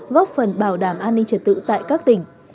đảm an ninh trật tự tại các tỉnh